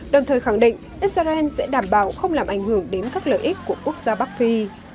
đồng thời khẳng định israel sẽ đảm bảo không làm ảnh hưởng đến các lợi ích của quốc gia bắc phi